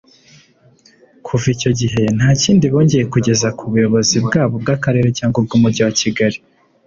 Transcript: Kuva icyo gihe nta kindi bongeye kugeza ku buyobozi bwaba ubw’akarere cyangwa ubw’umujyi wa Kigali